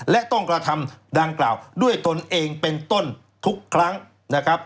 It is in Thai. และต้องกระทำดังกล่าวด้วยตนเองเป็นต้นทุกครั้งนะครับ